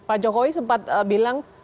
pak jokowi sempat bilang